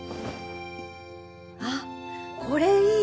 あっこれいい。